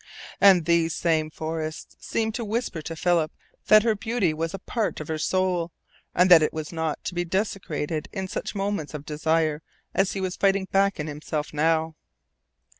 And these same forests seemed to whisper to Philip that her beauty was a part of her soul, and that it was not to be desecrated in such moments of desire as he was fighting back in himself now.